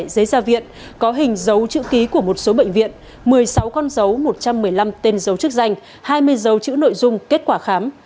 dây gia viện có hình dấu chữ ký của một số bệnh viện một mươi sáu con dấu một trăm một mươi năm tên dấu chức danh hai mươi dấu chữ nội dung kết quả khám